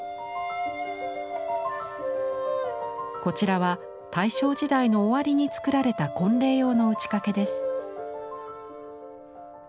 こちらは大正時代の終わりに作られた婚礼用の打掛です。